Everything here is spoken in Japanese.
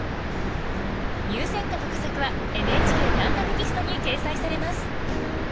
入選歌と佳作は「ＮＨＫ短歌テキスト」に掲載されます